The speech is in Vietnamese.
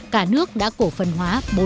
cả nước đã cổ phần hóa